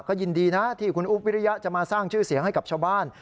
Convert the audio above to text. ก็ยินดีนะที่คุณอุ๊บวิริยะจะมาสร้างชื่อเสียงให้กับชาวบ้าน